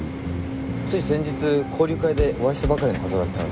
つい先日交流会でお会いしたばかりの方だったので。